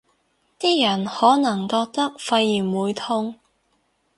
啲人可能覺得肺炎會痛